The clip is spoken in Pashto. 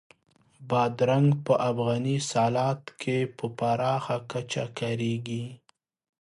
بادرنګ په افغاني سالاد کې په پراخه کچه کارېږي.